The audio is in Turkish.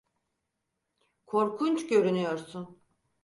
Korkunç görünüyorsun.